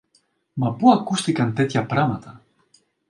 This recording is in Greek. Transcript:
Μα πού ακούστηκαν τέτοια πράματα!